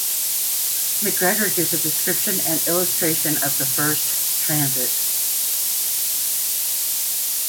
Macgregor gives a description and illustration of the first "Transit".